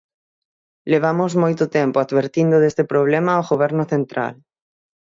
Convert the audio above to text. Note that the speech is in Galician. Levamos moito tempo advertindo deste problema ao Goberno central.